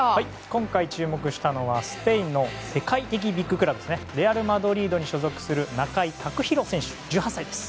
今回注目したのはスペインの世界的ビッグクラブレアル・マドリードに所属する中井卓大選手、１８歳です。